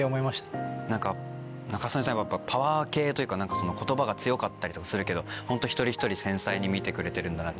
仲宗根さんはパワー系というか言葉が強かったりとかするけどホント一人一人繊細に見てくれてるんだな。